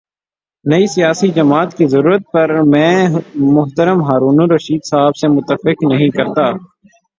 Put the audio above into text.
نئی سیاسی جماعت کی ضرورت پر میں محترم ہارون الرشید صاحب سے متفق نہیں تھا۔